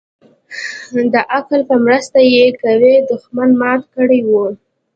د عقل په مرسته يې قوي دښمن مات كړى و.